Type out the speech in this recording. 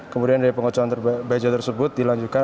kemudian dari pengocohan baja tersebut dilanjutkan